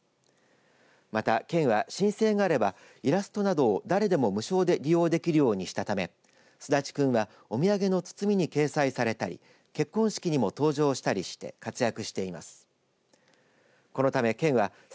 また、県は申請があればイラストなどを誰でも無償で利用できるようにしたためすだちくんはお土産の包みに掲載されたり結婚式にも登場したりして活躍しています。